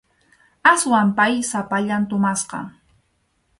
Aswan pay sapallan tumasqa.